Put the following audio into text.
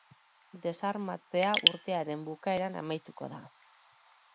Desarmatzea urtearen bukaeran amaituko da.